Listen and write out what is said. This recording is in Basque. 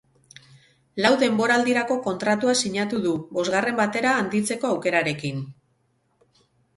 Lau denboraldirako kontratua sinatu du, bosgarren batera handitzeko aukerarekin.